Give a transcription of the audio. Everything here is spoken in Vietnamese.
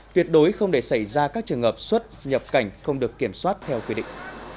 tuyệt đối không để xảy ra các trường hợp xuất nhập cảnh không được kiểm soát theo quy định